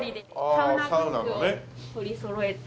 サウナグッズを取りそろえて。